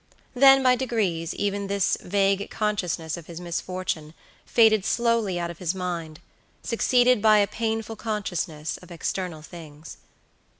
Then by degrees even this vague consciousness of his misfortune faded slowly out of his mind, succeeded by a painful consciousness of external things.